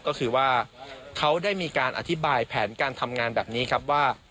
ก็คือว่าเขาได้มีการอธิบายแผนการทำงานแบบนี้ครับว่า